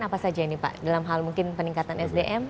apa saja ini pak dalam hal mungkin peningkatan sdm